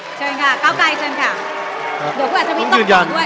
อ่าเชิญค่ะเกาะไกรเชิญค่ะเดี๋ยวพูดอาจารย์วินต้องตอบด้วยเชิญค่ะ